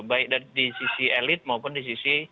baik dari sisi elit maupun dari sisi pemerintah